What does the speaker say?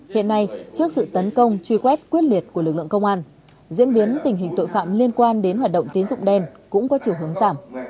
hiện nay trước sự tấn công truy quét quyết liệt của lực lượng công an diễn biến tình hình tội phạm liên quan đến hoạt động tín dụng đen cũng có chiều hướng giảm